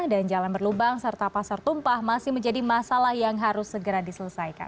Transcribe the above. dan jalan berlubang serta pasar tumpah masih menjadi masalah yang harus segera diselesaikan